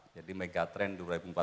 jadi megatrend dua ribu empat puluh lima